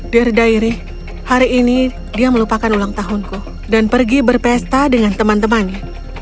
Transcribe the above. dear diare hari ini dia melupakan ulang tahunku dan pergi berpesta dengan teman temannya